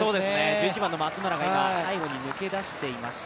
１１番の松村が背後に抜け出していました。